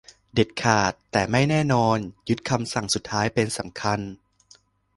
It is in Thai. "เด็ดขาด แต่ไม่แน่นอน ยึดคำสั่งสุดท้ายเป็นสำคัญ"